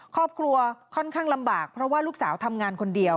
ครอบครัวค่อนข้างลำบากเพราะว่าลูกสาวทำงานคนเดียว